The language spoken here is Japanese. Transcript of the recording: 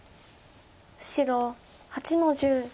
白８の十。